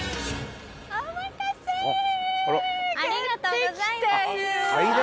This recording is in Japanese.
・ありがとうございます。